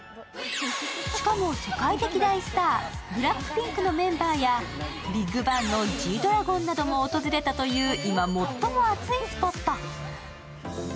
しかも、世界的大スターＢＬＡＣＫＰＩＮＫのメンバーやＢＩＧＢＡＮＧのＧ−ＤＲＡＧＯＮなども訪れたという今、最も熱いスポット。